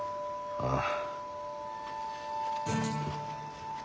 ああ。